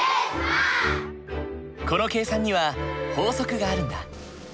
この計算には法則があるんだ。